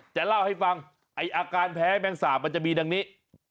จะเล่าให้ฟังไอ้อาการแพ้แมงสาบมันจะมีดังนี้